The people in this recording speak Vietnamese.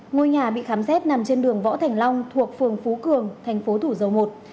ngôi nhà bị khám xét nằm trên đường võ thành long thuộc phường phú cường thành phố thủ dầu một